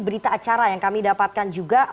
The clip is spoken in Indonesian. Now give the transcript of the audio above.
berita acara yang kami dapatkan juga